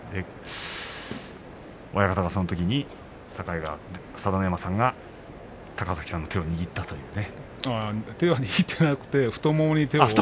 親方が、そのときに佐田の山さんが高崎さんの手を握ったというね。